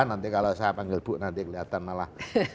nanti kalau saya panggil bu nanti kelihatan malah